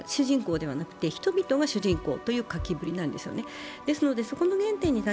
つまり国が主人公ではなくて人々が主人公という書きっぷりなんです。